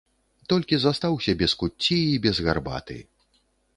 Толькі застаўся без куцці і без гарбаты.